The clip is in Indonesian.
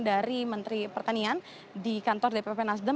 dari menteri pertanian di kantor dpp nasdem